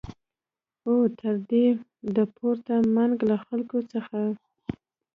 او تر دې د پورته منګ له خلکو څخه